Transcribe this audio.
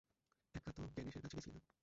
একা তো গ্যানেশ এর কাছে গেছিলা না?